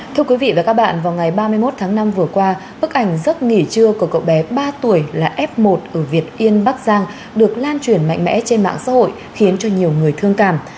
thưa quý vị và các bạn vào ngày ba mươi một tháng năm vừa qua bức ảnh giấc nghỉ trưa của cậu bé ba tuổi là f một ở việt yên bắc giang được lan truyền mạnh mẽ trên mạng xã hội khiến cho nhiều người thương cảm